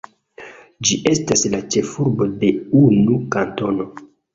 Ĝi estas la ĉefurbo de unu kantono.